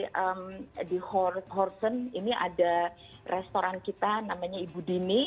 lalu tempat tempat seperti di horsen ini ada restoran kita namanya ibu dini